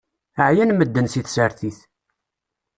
Ɛyan medden si tsertit.